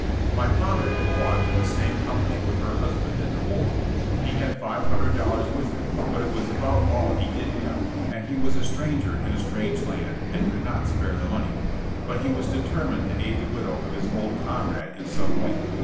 My father had fought in the same com pany with her husband in the war. He had five hundred dollars with him, but it was about all he did have, and he was a stranger in a strange land and could not spare the money. But he was deter mined to aid the widow of his old comrade in some way.